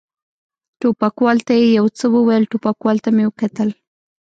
ټوپکوال ته یې یو څه وویل، ټوپکوال ته مې کتل.